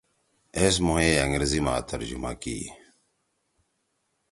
ایس مھوئے انگریزی ما ترجمہ کیئی